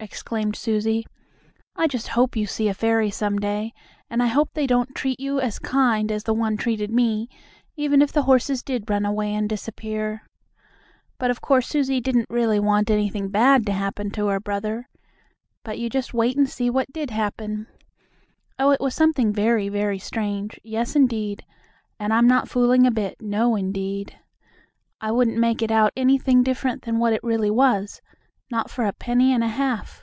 exclaimed Susie. "I just hope you see a fairy some day, and I hope they don't treat you as kind as the one treated me, even if the horses did run away and disappear." But of course Susie didn't really want anything bad to happen to her brother. But you just wait and see what did happen. Oh, it was something very, very strange, yes, indeed, and I'm not fooling a bit; no, indeed. I wouldn't make it out anything different than what it really was, not for a penny and a half.